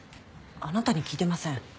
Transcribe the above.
あなたに聞いてません。